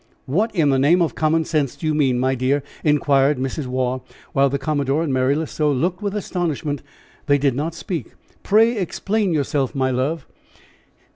"What in the name of common sense do you mean, my dear?" inquired Mrs. Waugh, while the commodore and Mary L'Oiseau looked the astonishment they did not speak. "Pray explain yourself, my love."